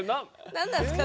何なんですか？